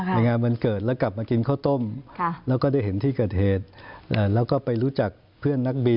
ไปงานวันเกิดแล้วกลับมากินข้าวต้มแล้วก็ได้เห็นที่เกิดเหตุ